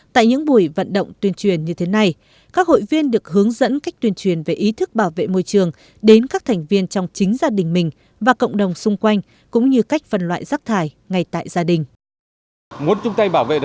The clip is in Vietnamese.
tại những buổi vận động tuyên truyền như thế này các hội viên được hướng dẫn cách tuyên truyền về ý thức bảo vệ môi trường đến các thành viên trong chính gia đình mình và cộng đồng xung quanh cũng như cách phân loại rác thải ngay tại gia đình